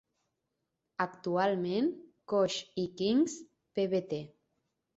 Actualment Cox i Kings Pvt.